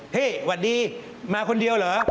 เฮ้หวัดดีมาคนเดียวเหรอ